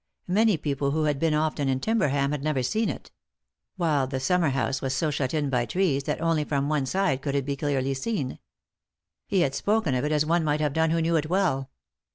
Many people who had been often in Timberham had never seen it ; while the summer house was so shut in by trees that only from one side could it be clearly seen. He had spoken ot it as one might have done who knew it well.